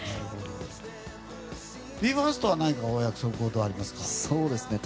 ＢＥ：ＦＩＲＳＴは何かお約束事ありますか？